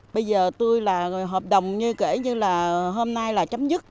bây giờ tôi là hợp đồng như kể như là hôm nay là chấm dứt